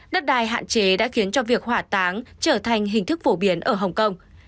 đất đai hạn chế đã khiến cho việc hỏa táng trở thành hình thức phổ biến ở hồng kông